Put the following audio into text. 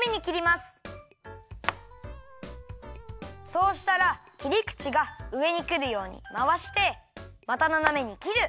そうしたらきりくちがうえにくるようにまわしてまたななめにきる！